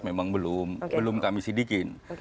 memang belum kami sidikin